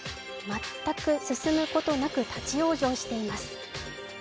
全く進むことなく立往生しています。